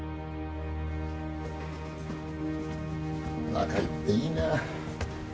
若いっていいな。